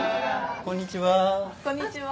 こんにちは。